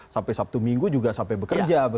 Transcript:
sampai sabtu minggu juga sampai bekerja